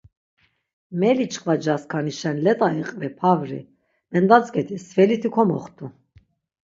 Meli çkva ca skanişen let̆a iqvi pavri, mendatzk̆edi stveliti komoxtu.